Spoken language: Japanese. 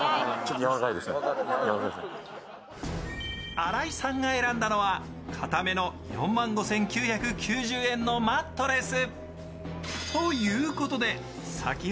新井さんが選んだのはかための４万５９９０円のマットレス。